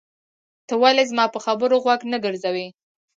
ته ولې زما په خبرو غوږ نه ګروې؟